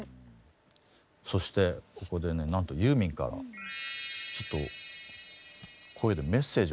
そしてここでねなんとユーミンからちょっと声でメッセージを頂いて。